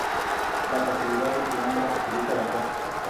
La pasividad de la hembra facilita las cosas.